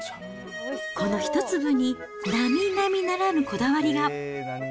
この１粒になみなみならぬこだわりが。